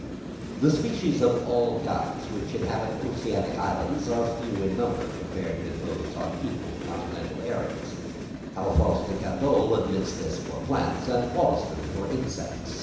The species of all kinds which inhabit oceanic islands are few in number compared with those on equal continental areas: Alph. de Candolle admits this for plants, and Wollaston for insects.